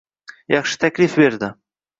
Yaxshi taklif berdi.